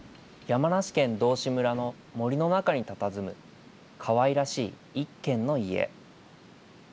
山梨県道志村の森の中にたたずむ、かわいらしい１軒の家。